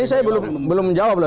ini saya belum menjawab loh